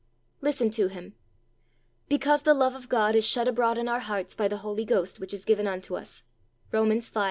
Listen to him: "Because the love of God is shed abroad in our hearts by the Holy Ghost which is given unto us" (Romans v.